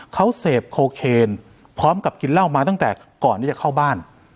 เขาเสพโคเคนพร้อมกับกินเหล้ามาตั้งแต่ก่อนที่จะเข้าบ้าน